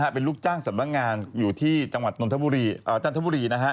เป็นลูกจ้างสำนักงานอยู่ที่จังหวัดนทบุรีจันทบุรี